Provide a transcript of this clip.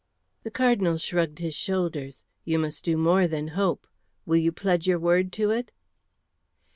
The Cardinal shrugged his shoulders. "You must do more than hope. Will you pledge your word to it?"